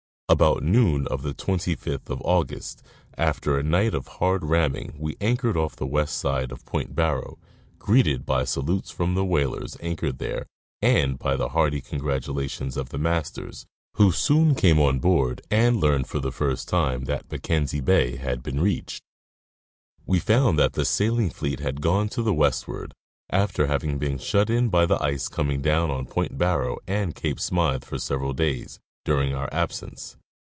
About noon of the 25th of August, after a night of hard ram ming, we anchored off the west side of Point Barrow, greeted by salutes from the whalers anchored there and by the hearty con gratulations of the masters, who soon came on board and learned for the first time that Mackenzie Bay had been reached. We found that the sailing fleet had gone to the westward, after having been shut in by the ice coming down on Point Barrow and Cape Smyth for several days, during our absence.